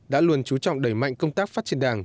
đã luôn chú trọng đẩy mạnh công tác phát triển đảng